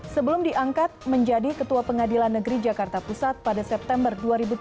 sebelum diangkat menjadi ketua pengadilan negeri jakarta pusat pada september dua ribu tujuh belas